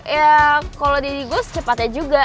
ya kalo di diri gue secepatnya juga